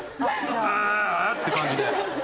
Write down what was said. ああ！って感じで。